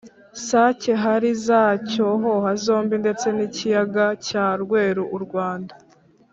sake hari za cyohoha zombi ndetse n'ikiyaga cya rweru u rwanda